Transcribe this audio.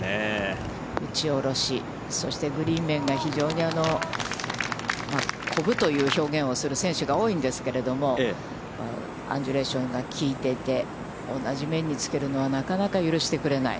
打ち下ろし、そしてグリーン面が非常に、こぶという表現をする選手が多いんですけれども、アンジュレーションがきいてて、同じ面につけるのをなかなか許してくれない。